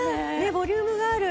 ボリュームがある。